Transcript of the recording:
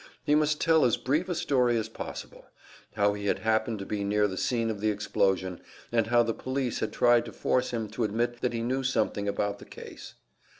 He must tell as brief a story as possible; how he had happened to be near the scene of the explosion, and how the police had tried to force him to admit that he knew something about the case.